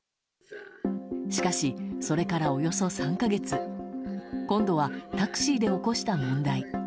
しかし、それからおよそ３か月今度はタクシーで起こした問題。